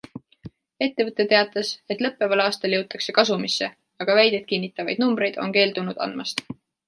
Ettevõte teatas, et lõppeval aastal jõutakse kasumisse, aga väidet kinnitavaid numbreid on keeldunud andmast.